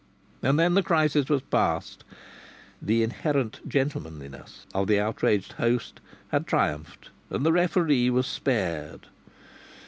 And then the crisis was past. The inherent gentlemanliness of the outraged host had triumphed and the referee was spared.